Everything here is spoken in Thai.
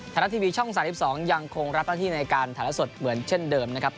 ไทยรัฐทีวีช่อง๓๒ยังคงรับหน้าที่ในการถ่ายละสดเหมือนเช่นเดิมนะครับ